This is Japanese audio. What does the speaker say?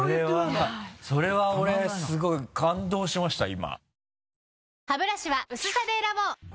それは俺すごい感動しました今。